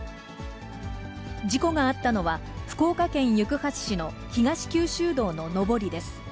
事故があったのは、福岡県行橋市の東九州道の上りです。